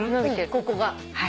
ここが。